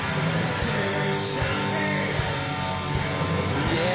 「すげえ！」